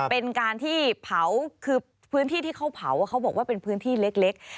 เป็นการที่เผาคือพื้นที่ที่เขาเผาเขาบอกว่าเป็นพื้นที่เล็ก